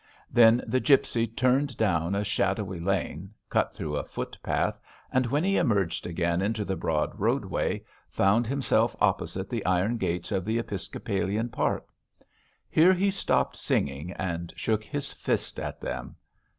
Then the gipsy turned down a shadowy lane, cut through a footpath, and when he emerged again into the broad roadway, found himself opposite the iron gates of the episcopalian park. Here he stopped singing and shook his fist at them.